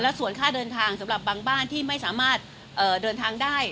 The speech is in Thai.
ส่วนค่าเดินทางสำหรับบางบ้านที่ไม่สามารถเดินทางได้